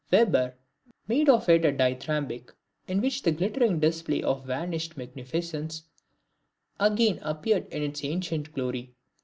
Weber made of it a Dithyrambic, in which the glittering display of vanished magnificence again appeared in its ancient glory.